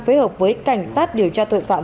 phối hợp với cảnh sát điều tra tội phạm